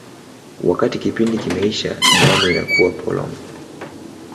Wakati kipindi kimeisha, damu inakuwa polong.